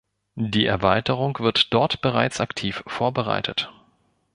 Die Erweiterung wird dort bereits aktiv vorbereitet.